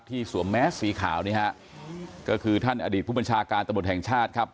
สวมแมสสีขาวนี่ฮะก็คือท่านอดีตผู้บัญชาการตำรวจแห่งชาติครับ